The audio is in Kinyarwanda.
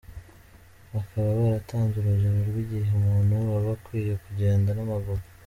Bakaba baratanze urugero rw’igihe umuntu aba akwiye kugenda n’amaguru :.